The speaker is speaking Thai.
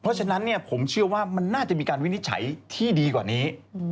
เพราะฉะนั้นผมเชื่อว่ามันน่าจะมีการวินิจฉัยที่ดีกว่านี้